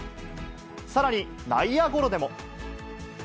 さらに、内野ゴロでも。